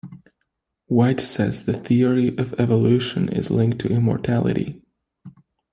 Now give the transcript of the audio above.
White says the theory of evolution is linked to immorality.